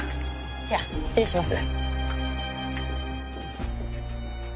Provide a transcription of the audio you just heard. じゃあ失礼します。